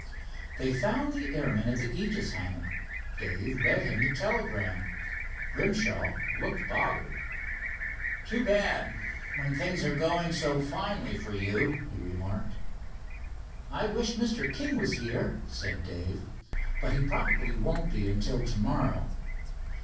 They found the airman at the Aegis hangar. Dave read him the telegram. Grimshaw looked bothered. "Too bad, when things are going so finely for you," he remarked. "I wish Mr. King was here," said Dave, "but he probably won't be until tomorrow."